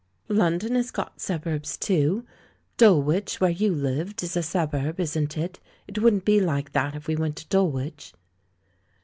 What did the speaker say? "London has got suburbs, too. Dulwich, where you lived, is a suburb, isn't it ? It wouldn't be like that if we went to Dulwich?"